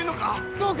どうか！